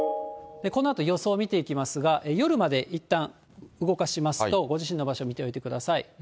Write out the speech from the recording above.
このあと予想見ていきますが、夜までいったん動かしますと、ご自身の場所見ておいてください。